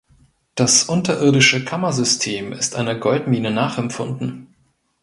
Das unterirdische Kammersystem ist einer Goldmine nachempfunden.